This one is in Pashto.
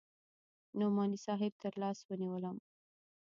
نعماني صاحب تر لاس ونيولم.